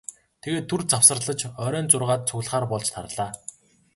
Тэгээд түр завсарлаж оройн зургаад цугларахаар болж тарлаа.